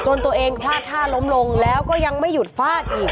ตัวเองพลาดท่าล้มลงแล้วก็ยังไม่หยุดฟาดอีก